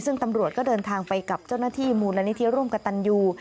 ซึ่งตำรวจก็เดินทางไปกับเจ้าหน้าที่มูลนิธิร่วมกับตันยู